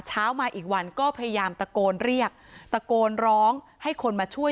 เช้ามาอีกวันก็พยายามตะโกนเรียกตะโกนร้องให้คนมาช่วย